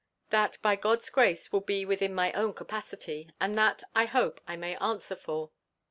That, by God's grace, will be within my own capacity; and that, I hope, I may answer for.